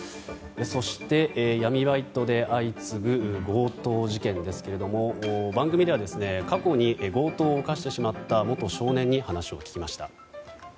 そして、闇バイトで相次ぐ強盗事件ですが番組では過去に強盗を犯してしまった元少年に話を聞きました。